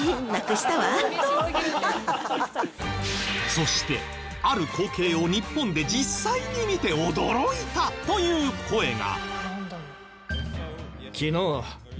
そしてある光景を日本で実際に見て驚いたという声が。